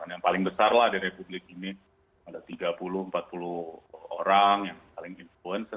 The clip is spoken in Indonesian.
yang paling besar lah di republik ini ada tiga puluh empat puluh orang yang paling influencer